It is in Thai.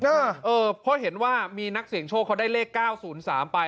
เออเออเพราะเห็นว่ามีนักเสียงโชคเขาได้เลขเก้าศูนย์สามไป